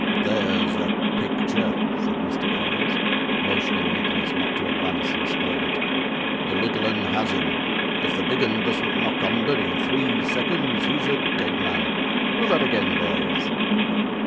'There's a picture,' said Mr. Crummles, motioning Nicholas not to advance and spoil it. 'The little 'un has him; if the big 'un doesn't knock under, in three seconds, he's a dead man. Do that again, boys.